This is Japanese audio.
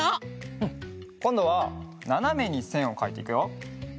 うんこんどはななめにせんをかいていくよ。